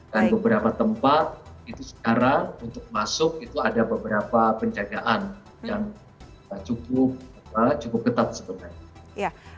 beberapa tempat itu sekarang untuk masuk itu ada beberapa penjagaan yang cukup ketat sebenarnya